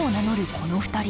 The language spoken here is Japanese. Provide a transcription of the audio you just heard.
この２人。